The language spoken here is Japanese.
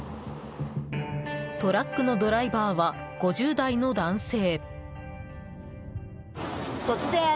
トラックのドライバーは５０代の男性。